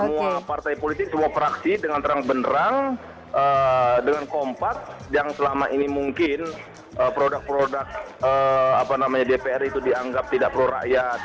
semua partai politik semua fraksi dengan terang benerang dengan kompak yang selama ini mungkin produk produk dpr itu dianggap tidak pro rakyat